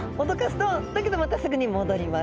だけどまたすぐに戻ります。